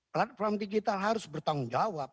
platform digital harus bertanggung jawab